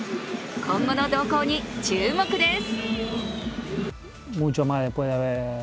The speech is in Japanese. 今後の動向に注目です。